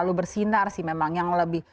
belum terlalu bersinar sih memang yang lebih